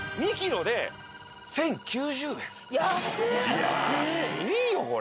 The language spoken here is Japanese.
安いよこれ。